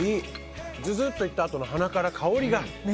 ズズッといったあとの鼻から香りが。